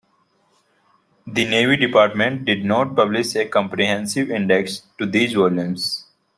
The Navy Department did not publish a comprehensive index to these volumes.